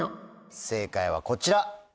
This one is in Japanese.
正解はこちら！